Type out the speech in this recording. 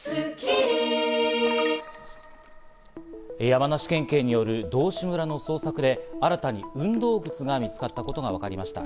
山梨県警による道志村の捜索で新たに運動靴が見つかったことがわかりました。